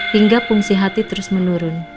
hingga fungsi hati terus menurun